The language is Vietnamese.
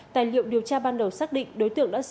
tài liệu điều tra ban đầu xác định